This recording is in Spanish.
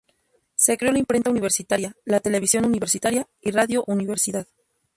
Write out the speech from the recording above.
Se creó la Imprenta Universitaria, la Televisión Universitaria y Radio Universidad.